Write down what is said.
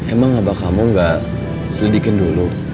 emang abah kamu nggak selidikin dulu